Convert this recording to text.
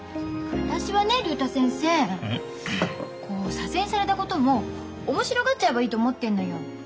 左遷されたことも面白がっちゃえばいいって思ってんのよ。